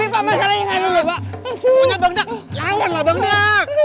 pokoknya bangdang lawan lah bangdang